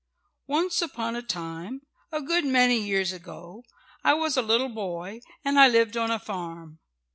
Once upon a time, a good many years ago, I was a little boy, and I lived on a farm.